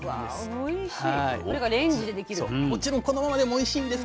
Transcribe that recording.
おいしい！